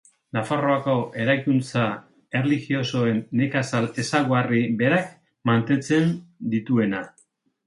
Nafarroako eraikuntza erlijiosoen nekazal ezaugarri berak mantentzen dituena.